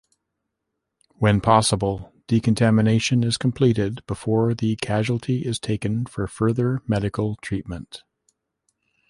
When possible, decontamination is completed before the casualty is taken for further medical treatment.